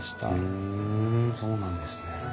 ふんそうなんですね。